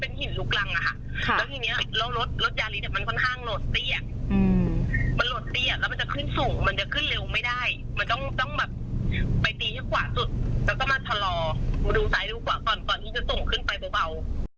ก่อนที่จะส่งขึ้นไปเบา